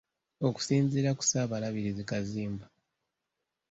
Okusinziira ku ssaabalabirizi Kaziimba.